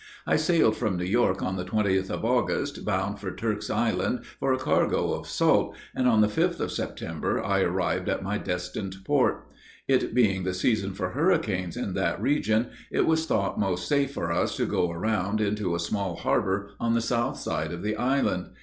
I sailed from New York on the 20th of August, bound for Turk's Island for a cargo of salt, and, on the 5th of September, I arrived at my destined port. It being the season for hurricanes in that region, it was thought most safe for us to go around into a small harbor on the south side of the island.